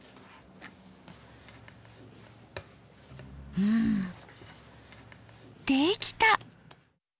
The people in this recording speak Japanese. うんできた！